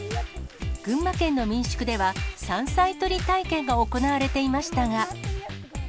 群馬県の民宿では、山菜採り体験が行われていましたが。